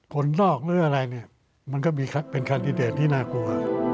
คนนอกเลือกอะไรมันก็เป็นคันดิเดนที่น่ากลัว